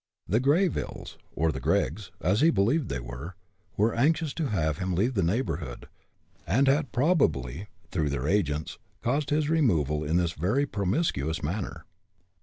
The Greyvilles or the Greggs, as he believed they were were anxious to have him leave the neighborhood, and had probably, through their agents, caused his removal in this very promiscuous manner.